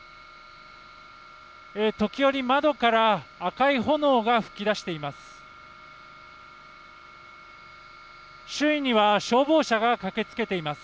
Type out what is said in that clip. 時折、窓から赤い炎が吹き出しています。